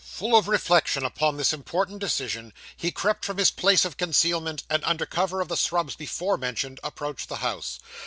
Full of reflections upon this important decision, he crept from his place of concealment, and, under cover of the shrubs before mentioned, approached the house.